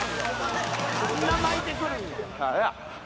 「そんな巻いてくるんや」